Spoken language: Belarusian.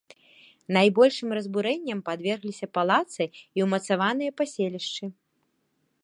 Найбольшым разбурэнням падвергліся палацы і ўмацаваныя паселішчы.